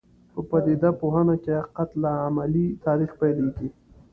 په پدیده پوهنه کې حقیقت له عملي تاریخ پیلېږي.